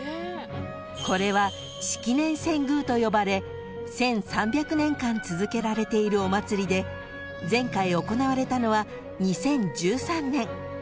［これは式年遷宮と呼ばれ１，３００年間続けられているお祭りで前回行われたのは２０１３年］